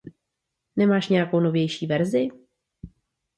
Nemáš nějakou novější verzi?